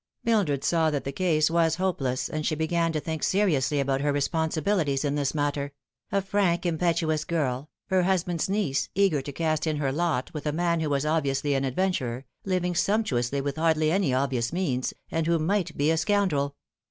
Mildred saw that the case was hopeless, and she began to think seriously about her responsibilities in this matter : a frank impetuous girl, her husband's niece, eager to cast in her lot with a man who was obviously an adventurer, living sump tuously with hardly any obvious means, and who might be a scoundrel.